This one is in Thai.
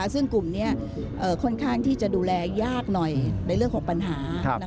ซึ่งกลุ่มนี้ค่อนข้างที่จะดูแลยากหน่อยในเรื่องของปัญหา